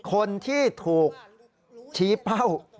คนที่ถูกชี้เป้า